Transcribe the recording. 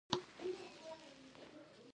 د خدای د نازولو کرامات او غیبي فتحې هم وي.